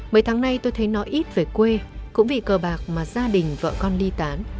mấy tháng nay tôi thấy nó ít về quê cũng vì cờ bạc mà gia đình vợ con ly tán